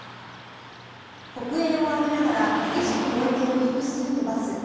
黒煙を上げながら激しく燃えている複数のバス。